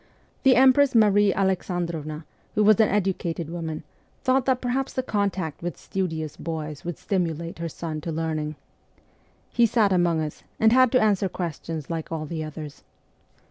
The Empress Marie Alexandrovna, who was an educated woman, thought that perhaps the contact with studious boys would stimulate her son to learning. He sat among us, and had to answer questions like all the others.